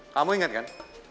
kamu ingat kan